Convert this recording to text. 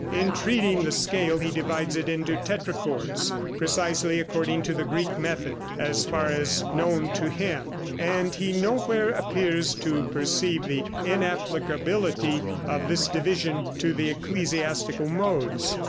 In treating the scale he divides it into tetrachords, precisely according to the Greek method, as far as known to him, and he nowhere appears to perceive the inapplicability of this division to the ecclesiastical modes.